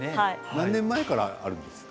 何年前からあるんですか？